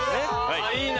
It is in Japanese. あぁいいな！